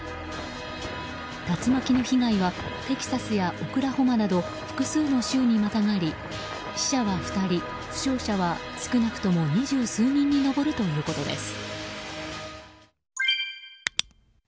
竜巻の被害はテキサスやオクラホマなど複数の州にまたがり死者は２人、負傷者は少なくとも二十数人に上るということです。